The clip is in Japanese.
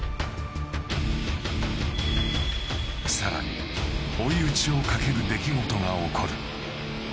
さらに追い打ちをかける出来事が起こる。